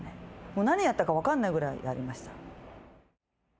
もう何やったか分かんないぐらいやりました